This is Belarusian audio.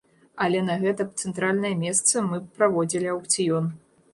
Але на гэта цэнтральнае месца, мы б праводзілі аўкцыён.